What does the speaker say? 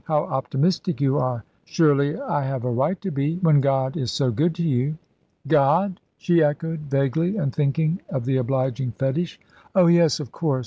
"How optimistic you are!" "Surely I have a right to be, when God is so good to you." "God," she echoed, vaguely, and thinking of the obliging fetish. "Oh yes, of course.